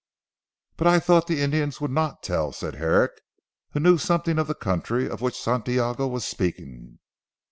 "But I thought the Indians would not tell," said Herrick, who knew something of the country of which Santiago was speaking.